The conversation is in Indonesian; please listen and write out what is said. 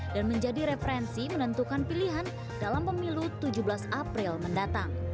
dan menjadi referensi menentukan pilihan dalam pemilu tujuh belas april mendatang